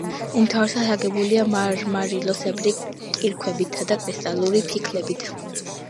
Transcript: უმთავრესად აგებულია მარმარილოსებრი კირქვებითა და კრისტალური ფიქლებით.